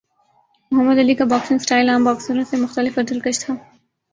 محمد Ali کا boxing style عام باکسروں سے مختلف اور دلکش تھا۔